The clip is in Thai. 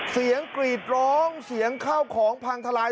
กรีดร้องเสียงข้าวของพังทลาย